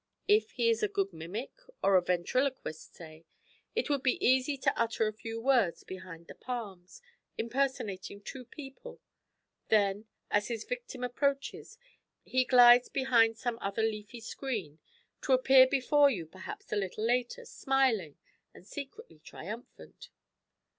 If he is a good mimic or a ventriloquist, say, it would be easy to utter a few words behind the palms, impersonating two people; then, as his victim approaches, he glides behind some other leafy screen, to appear before you, perhaps, a little later, smiling and secretly triumphant.'